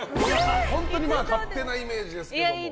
本当に勝手なイメージですけど。